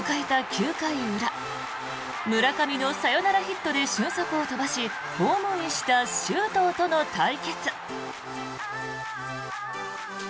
９回裏村上のサヨナラヒットで俊足を飛ばしホームインした周東との対決。